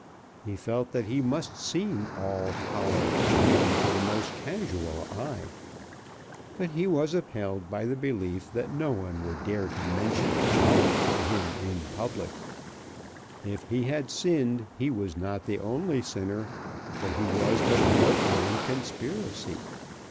He felt that he must seem all collar, even to the most casual eye, but he was upheld by the belief that no one would dare to mention collar to him in public. If he had sinned he was not the only sinner, for he was but a partner in conspiracy.